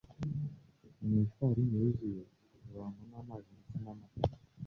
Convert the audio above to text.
mu ifarini yuzuye, ikavangwa n’amazi ndetse n’amata.